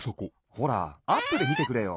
ほらアップでみてくれよ。